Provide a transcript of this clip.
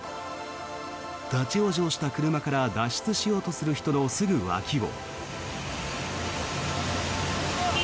立ち往生した車から脱出しようとする人のすぐ脇を。